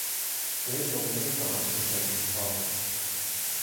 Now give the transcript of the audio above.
Ezhomm am eus da raktresañ an traoù.